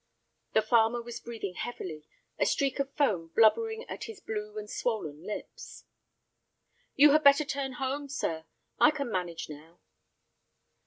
The farmer was breathing heavily, a streak of foam blubbering at his blue and swollen lips. "You had better turn home, sir, I can manage now."